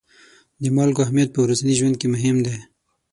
د مالګو اهمیت په ورځني ژوند کې مهم دی.